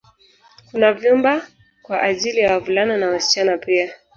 Kuna vyumba kwaajili ya wavulana na wasichana pia